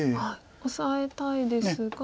オサえたいですが。